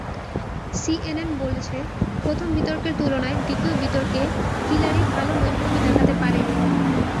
CNN বলছে, প্রথম বিতর্কের তুলনায় দ্বিতীয় বিতর্কে হিলারি ভালো নৈপুণ্য দেখাতে পারেননি।